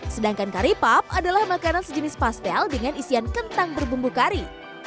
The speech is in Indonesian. sedangkan karipap adalah makanan sejenis pastel dengan isian kentang berbumbu kari